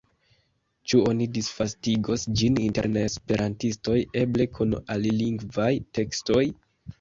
Ĉu oni disvastigos ĝin inter neesperantistoj, eble kun alilingvaj tekstoj?